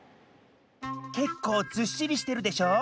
けっこうずっしりしてるでしょ？